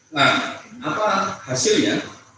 nah apa hasilnya